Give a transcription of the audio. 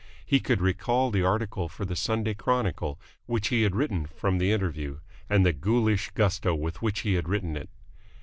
He could recall the article for the Sunday Chronicle which he had written from the interview, and the ghoulish gusto with which he had written it.